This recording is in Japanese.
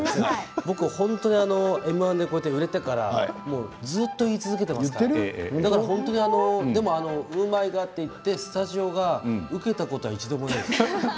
僕、本当にＭ−１で売れてからずっと言い続けていますからウーマイガーと言ってスタジオがうけたことは一度もないです。